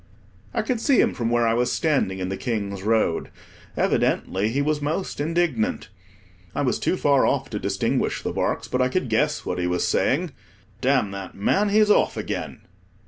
I could see him from where I was standing in the King's Road. Evidently he was most indignant. I was too far off to distinguish the barks, but I could guess what he was saying— "Damn that man, he's off again."